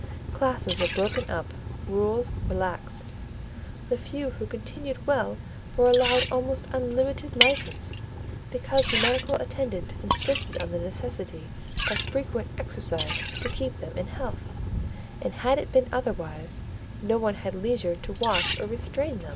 Classes were broken up, rules relaxed. The few who continued well were allowed almost unlimited license; because the medical attendant insisted on the necessity of frequent exercise to keep them in health: and had it been otherwise, no one had leisure to watch or restrain them.